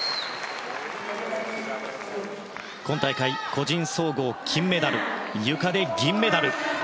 今大会、個人総合金メダルゆかで銀メダル。